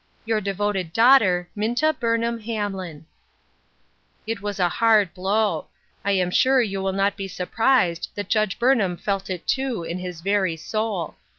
Your devoted daughter, Minta Burnham IIami.in. 220 STORMY WEATHER. It was a hard blow ; I am sure you will not be surprised that Judge Burnham felt it too in his very soul.